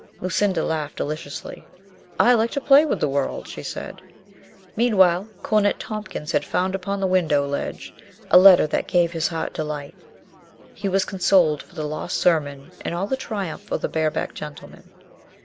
Lucinda laughed deliciously. "I like to play with the world," she said. Meanwhile Cornet Tompkins had found upon the window ledge a letter that gave his heart delight. He was consoled for the lost sermon and all the tri umph of the barebacked gentleman.